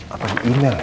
apa di email ya